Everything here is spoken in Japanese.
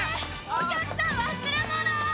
お客さん忘れ物！